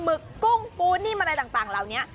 มึกกุ้งปูนนี่มันอะไรต่างแล้วเนี้ย